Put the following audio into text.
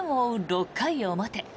６回表。